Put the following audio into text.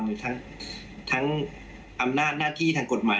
หรือทั้งอำนาจหน้าที่ทางกฎหมาย